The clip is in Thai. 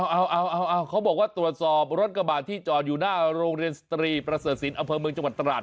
เอาเขาบอกว่าตรวจสอบรถกระบาดที่จอดอยู่หน้าโรงเรียนสตรีประเสริฐศิลปอำเภอเมืองจังหวัดตราด